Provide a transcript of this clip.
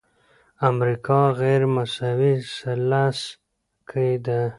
امریکا غیرمساوي ثلث کې ده.